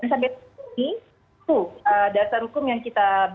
remisi hak bersyarat yaitu remisi kepada dana korupsi